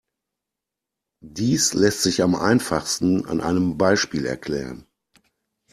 Dies lässt sich am einfachsten an einem Beispiel erklären.